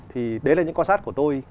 thì đấy là những quan sát của tôi